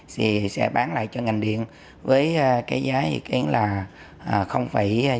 thì sẽ bán lại cho ngành điện với cái giá ý kiến là chín mươi năm cent